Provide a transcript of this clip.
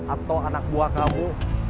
atau anak buah kamu